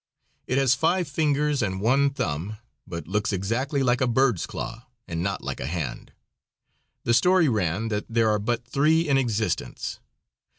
It has five fingers and one thumb, but looks exactly like a bird's claw, and not like a hand. The story ran that there are but three in existence.